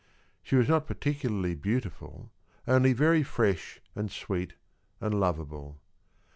She was not particularly beautiful, only very fresh, and sweet, and lovable.